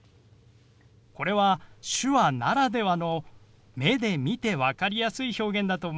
これは手話ならではの目で見て分かりやすい表現だと思います。